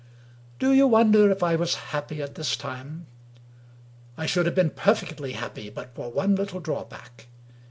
Do you wonder if I was happy at this time? I should have been perfectly happy but for one little drawback.